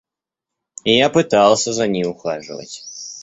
Я пытался за ней ухаживать.